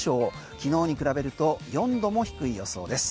昨日に比べると４度も低い予想です。